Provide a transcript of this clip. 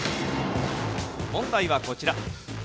問題はこちら。